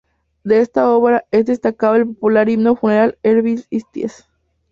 De esta obra es destacable el popular himno funeral "Her vil ties".